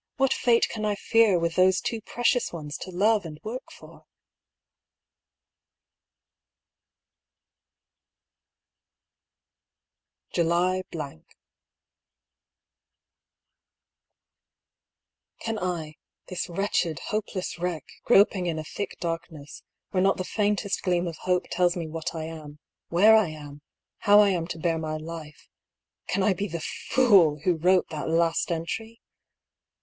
what fate can I fear, with those two precious ones to love and work for ? cTw/y —, Can I, this wretched, hopeless* wreck, groping in a thick darkness, where not the faintest gleam of hope tells me what I am, where I am, how I am to bear my life — can I be the/ooZ who wrote that last entry?